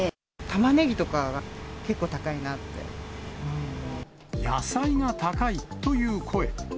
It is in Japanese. タマネギとかは結構高いなっ野菜が高いという声。